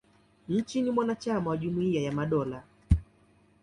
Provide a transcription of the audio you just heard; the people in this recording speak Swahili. Nchi ni mwanachama wa Jumuia ya Madola.